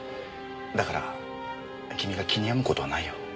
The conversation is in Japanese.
だから君が気に病む事はないよ。